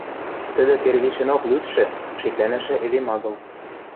Тӹдӹ первишенок лӱдшӹ, шеклӓнӹшӹ эдем агыл